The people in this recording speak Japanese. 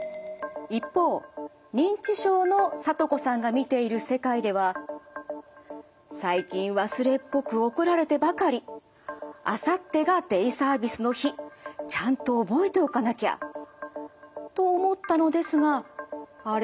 一方認知症のさとこさんが見ている世界では「最近忘れっぽく怒られてばかり。あさってがデイサービスの日。ちゃんと覚えておかなきゃ」と思ったのですが「あれ？